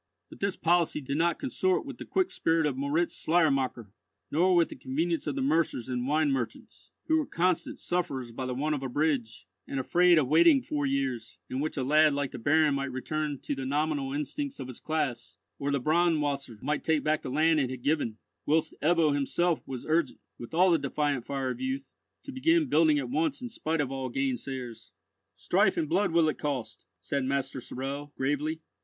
But this policy did not consort with the quick spirit of Moritz Schleiermacher, nor with the convenience of the mercers and wine merchants, who were constant sufferers by the want of a bridge, and afraid of waiting four years, in which a lad like the Baron might return to the nominal instincts of his class, or the Braunwasser might take back the land it had given; whilst Ebbo himself was urgent, with all the defiant fire of youth, to begin building at once in spite of all gainsayers. "Strife and blood will it cost," said Master Sorel, gravely.